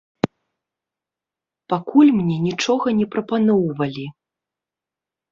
Пакуль мне нічога не прапаноўвалі.